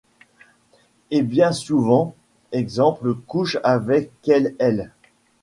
Et bien souvent ie couche avecques elle.